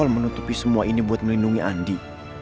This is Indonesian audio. menutupi semua ini buat melindungi andi